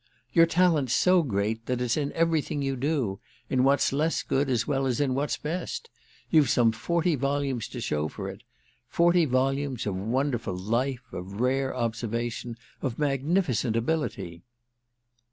"Your talent's so great that it's in everything you do, in what's less good as well as in what's best. You've some forty volumes to show for it—forty volumes of wonderful life, of rare observation, of magnificent ability."